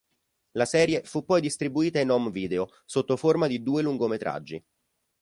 La serie fu poi distribuita in home video sotto forma di due lungometraggi.